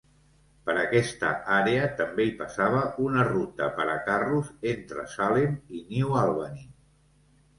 Per aquesta àrea també hi passava una ruta per a carros entre Salem i New Albany.